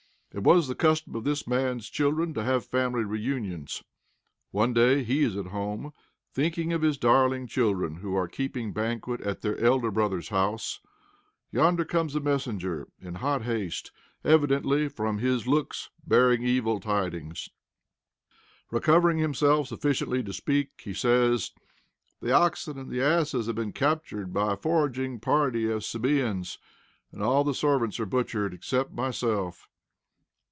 It was the custom of this man's children to have family reunions. One day he is at home, thinking of his darling children, who are keeping banquet at their elder brother's house. Yonder comes a messenger in hot haste, evidently, from his looks, bearing evil tidings. Recovering himself sufficiently to speak, he says: "The oxen and the asses have been captured by a foraging party of Sabeans, and all the servants are butchered except myself."